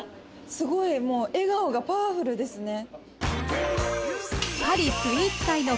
すごいもう笑顔がパワフルですね。